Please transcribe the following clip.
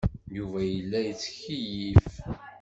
Yuba yella yettkeyyif.